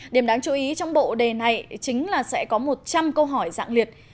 điểm đáng chú ý trong bộ đề này chính là sẽ có một trăm linh câu hỏi dạng liệt